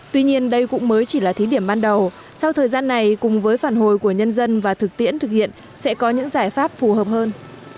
tuy nhiên đây cũng mới chỉ là thí điểm ban đầu sau thời gian này cùng với phản hồi của nhân dân và thực tiễn thực hiện sẽ có những giải pháp phù hợp hơn